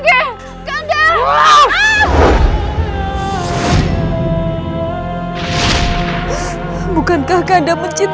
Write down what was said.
jangan kembali lagi selamanya kesini